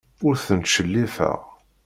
Ur ten-ttcellifeɣ.